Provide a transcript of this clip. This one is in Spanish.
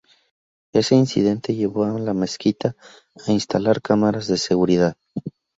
Ese incidente llevó a la mezquita a instalar cámaras de seguridad.